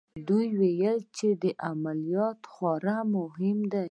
دوی ویل چې دا عملیات خورا مهم دی